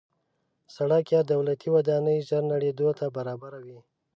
سړک یا دولتي ودانۍ ژر نړېدو ته برابره وي.